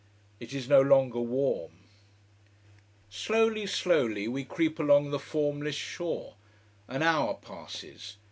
It is no longer warm. Slowly, slowly we creep along the formless shore. An hour passes.